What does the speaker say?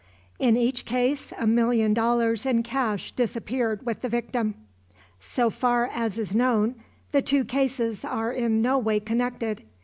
In each case a million dollars in cash disappeared with the victim. So far as is known the two cases are in no way connected.